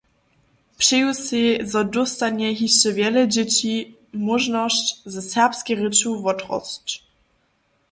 Přeju sej, zo dóstanje hišće wjele dźěći móžnosć, ze serbskej rěču wotrosć.